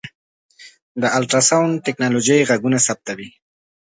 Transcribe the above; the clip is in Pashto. د الټراسونډ ټکنالوژۍ غږونه ثبتوي.